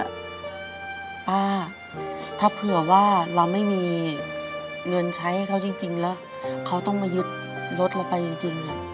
ป้าถ้าเผื่อว่าเราไม่มีเงินใช้ให้เขาจริงแล้วเขาต้องมายึดรถเราไปจริง